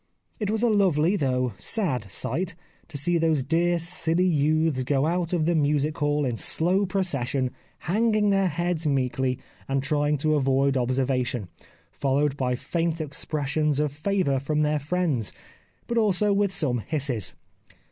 It was a lovely though sad sight, to see those dear silly youths go out of the Music Hall in slow procession, 204 The Life of Oscar Wilde hanging their heads meekly, and trying to avoid observation, followed by faint expressions of favour from their friends, but also with some hisses.